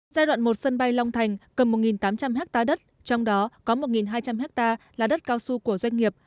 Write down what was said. giai đoạn một sân bay long thành cầm một tám trăm linh hectare đất trong đó có một hai trăm linh hectare là đất cao su của doanh nghiệp